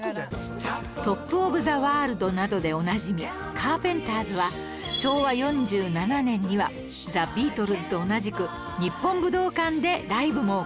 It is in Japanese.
『トップ・オブ・ザ・ワールド』などでおなじみカーペンターズは昭和４７年にはザ・ビートルズと同じく日本武道館でライブも行いました